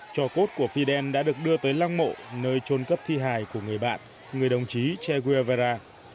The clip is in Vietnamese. cho cốt của fidel đã được đưa tới lang mộ nơi trôn cấp thi hài của người bạn người đồng chí che guevara